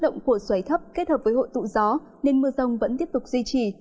nhiệt độ giao động của xoáy thấp kết hợp với hội tụ gió nên mưa rông vẫn tiếp tục duy trì